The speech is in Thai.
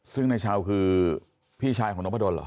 ซึ่งนายเช่าคือพี่ชายของนกพะดนเหรอ